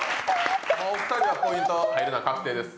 お２人はポイント入るのは確定です。